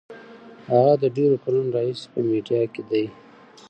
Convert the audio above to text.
هغه د ډېرو کلونو راهیسې په میډیا کې دی.